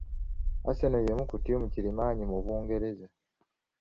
Arsenal y'emu ku ttiimu kirimaanyi mu Bungereza